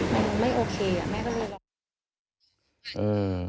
มันไม่โอเคอ่ะแม่ก็เลยบอก